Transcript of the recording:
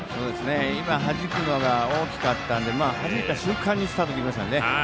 今、はじくのが大きかったのではじいた瞬間にスタートできましたんでね。